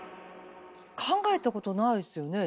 考えたことないですよね